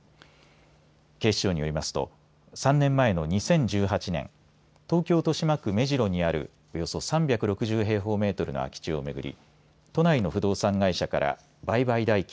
警視庁によりますと３年前の２０１８年、東京豊島区目白にあるおよそ３６０平方メートルの空き地を巡り都内の不動産会社から売買代金